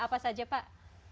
apa saja pak